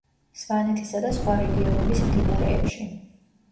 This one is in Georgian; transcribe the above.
სვანეთისა და სხვა რეგიონების მდინარეებში.